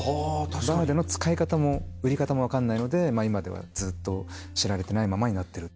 バーでの使い方も売り方も分かんないので今ではずっと知られてないままになってる。